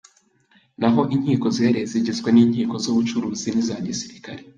Na ho inkiko zihariye zigizwe n’Inkiko z’Ubucuruzi n’iza Gisirikare.